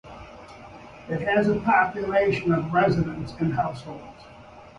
It has a population of residents in households.